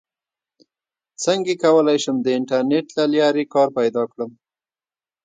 څنګه کولی شم د انټرنیټ له لارې کار پیدا کړم